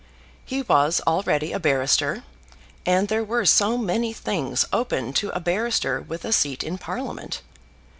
He was already a barrister, and there were so many things open to a barrister with a seat in Parliament!